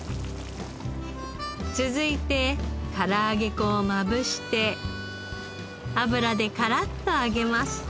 続いて唐揚げ粉をまぶして油でカラッと揚げます。